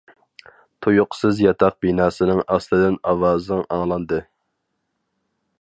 تۇيۇقسىز ياتاق بىناسىنىڭ ئاستىدىن ئاۋازىڭ ئاڭلاندى.